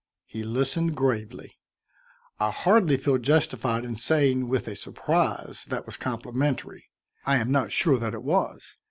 He listened gravely I hardly feel justified in saying with a surprise that was complimentary. I am not sure that it was.